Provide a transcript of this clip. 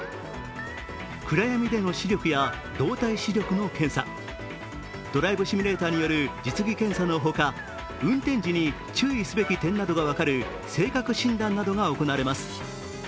暗闇での視力や動体視力の検査ドライブシミュレーターによる実技検査のほか運転時に注意すべき点などが分かる性格診断などが行われます。